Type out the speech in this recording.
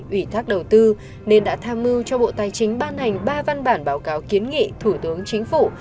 ủy thác đầu tư nên đã tham mưu cho bộ tài chính ban hành ba văn bản báo cáo kiến nghị thủ tướng chính phủ